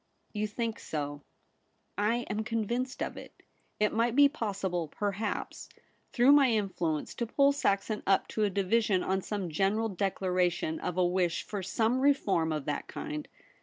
'You think so.' ' I am convinced of it. It might be pos sible, perhaps, through my influence to pull Saxon up to a division on some general declaration of a wish for some reform of that kind.'